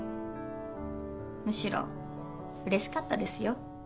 むしろうれしかったですよ。